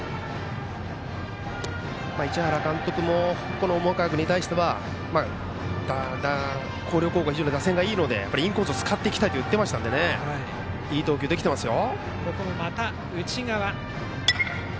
市原監督も重川君に対しては広陵高校は打線がいいのでインコースを使っていきたいと言っていましたからいい投球ができていますよ。